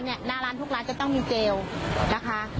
หน้าร้านทุกร้านจะต้องมีเจลนะคะ